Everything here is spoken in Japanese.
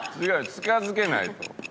近付けないと。